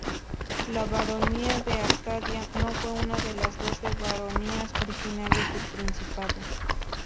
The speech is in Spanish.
La Baronía de Arcadia no fue una de las doce baronías originales del Principado.